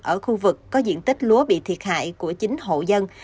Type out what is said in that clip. ở khu vực có diện tích lúa bị thiệt hại của chính hộ dân